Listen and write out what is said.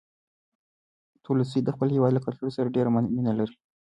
تولستوی د خپل هېواد له کلتور سره ډېره مینه لرله.